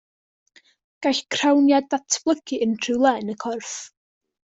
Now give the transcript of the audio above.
Gall crawniad ddatblygu unrhyw le yn y corff.